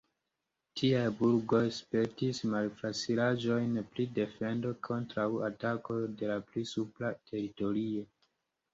Tiaj burgoj spertis malfacilaĵojn pri defendo kontraŭ atakoj de la pli supra teritorio.